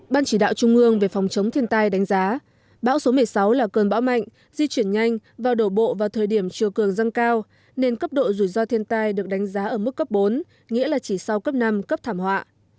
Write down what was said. ban chỉ đạo trung ương về phòng chống thiên tai đánh giá bão số một mươi sáu là cơn bão mạnh di chuyển nhanh và đổ bộ vào thời điểm chiều cường dâng cao nên cấp độ rủi ro thiên tai được đánh giá ở mức cấp bốn nghĩa là chỉ sau cấp năm cấp thảm họa